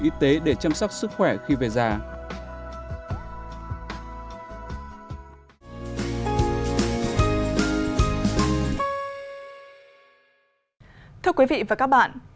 y tế để chăm sóc sức khỏe khi về già thưa quý vị và các bạn